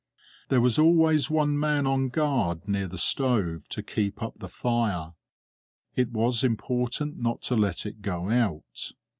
There was always one man on guard near the stove to keep up the fire; it was important not to let it go out.